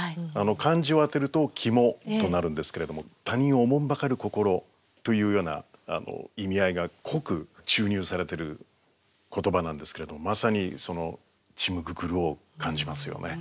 漢字を当てると「肝」となるんですけれども他人をおもんばかる心というような意味合いが濃く注入されてる言葉なんですけれどもまさにその肝心を感じますよね。